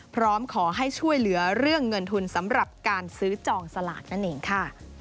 พร้อมขอให้ช่วยเหลือเรื่องเงินทุนสำหรับการซื้อจองสลากนั่นเองค่ะ